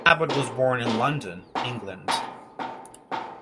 Cabot was born in London, England.